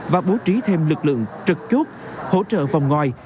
và bố trí thêm lực lượng trực chốt hỗ trợ vòng ngoài